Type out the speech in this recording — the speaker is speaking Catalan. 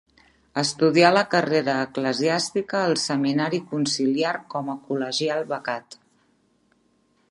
Estudià la carrera eclesiàstica al Seminari Conciliar com col·legial becat.